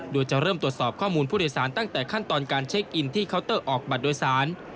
โดยจะเริ่มตรวจสอบข้อมูลผู้โดยสารตั้งแต่ขั้นตอนการเช็คอินที่เคาน์เตอร์ออกบัตรโดยสาร